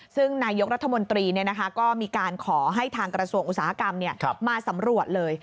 ซึ่งนายกรัฐมนตรีก็มีการขอให้ทางกระทรวงอุตสาหกรรมมาสำรวจเลย